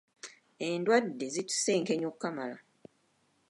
Endwadde zitusenkenya okukamala.